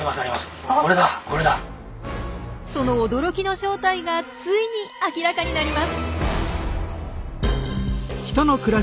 その驚きの正体がついに明らかになります。